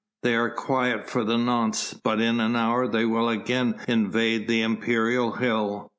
They are quiet for the nonce but in an hour they will again invade the imperial hill.